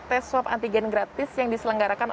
tes swab antigen gratis yang diselenggarakan